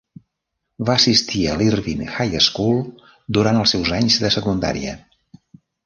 Va assistir a l'Irvine High School durant els seus anys de secundària.